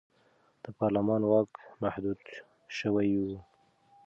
د پارلمان واک محدود شوی و.